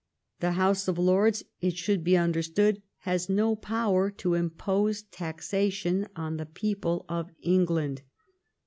The House of Lords, it should be understood, has no power to impose taxation on the people of England.